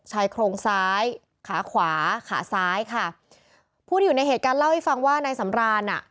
ชายโครงซ้ายขาขวาขาซ้ายค่ะผู้ที่อยู่ในเหตุการณ์เล่าให้ฟังว่านายสำรานอ่ะ